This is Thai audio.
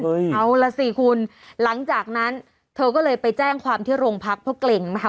เอาล่ะสิคุณหลังจากนั้นเธอก็เลยไปแจ้งความที่โรงพักเพื่อเกร็งนะคะ